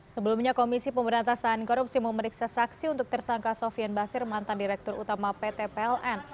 sebelumnya komisi pemberantasan korupsi memeriksa saksi untuk tersangka sofian basir mantan direktur utama pt pln